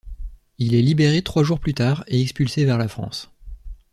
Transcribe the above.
Il est libéré trois jours plus tard et expulsé vers la France.